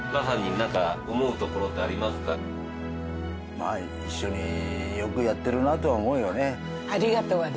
まあ一緒によくやってるなとは思うよね。